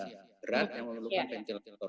berat yang memerlukan ventilator